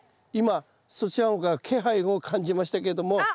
今そちらの方から気配を感じましたけれども。